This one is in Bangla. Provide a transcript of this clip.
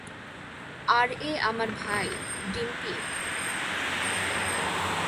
আর এ আমার ভাই, ডিম্পি।